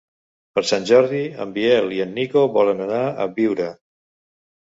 Per Sant Jordi en Biel i en Nico volen anar a Biure.